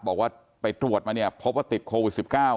บอกว่าไปตรวจมาเนี่ยพบว่าติดโควิด๑๙